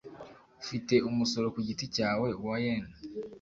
Ufite umusoro ku giti cyawe wa yen.